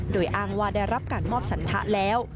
โดยอ้างว่าได้รับการมอบสันทะแล้ว